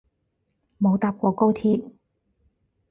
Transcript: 冇搭過高鐵